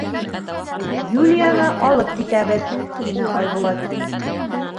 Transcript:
— Юлияны алып китәбеҙ, — тине Айбулат.